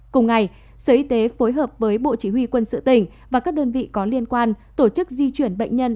cùng ngày sở y tế phối hợp với bộ chỉ huy quân sự tỉnh và các đơn vị có liên quan tổ chức di chuyển bệnh nhân